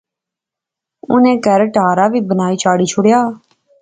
انی کہھر ٹہارا وی بنائی چاڑی شوڑیا